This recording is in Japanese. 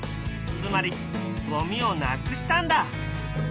つまりゴミをなくしたんだ！